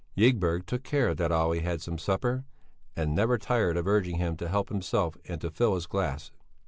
Ygberg took care that Olle had some supper, and never tired of urging him to help himself and to fill his glass.